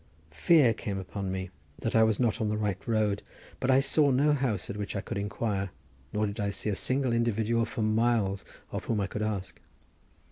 Fear came upon me that I was not in the right road, but I saw no house at which I could inquire, nor did I see a single individual for miles of whom I could ask.